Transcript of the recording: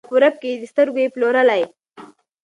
یا په رپ کي یې د سترګو یې پلورلی